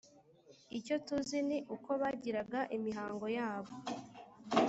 icyo tuzi ni uko bagiraga imihango yabo